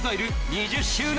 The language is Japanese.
２０周年